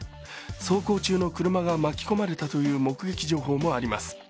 走行中の車が巻き込まれたという目撃情報もあります。